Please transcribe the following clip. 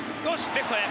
レフトへ。